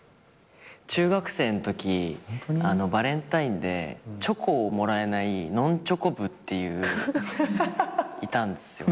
中学生のときバレンタインでチョコをもらえないノンチョコ部っていういたんですよ。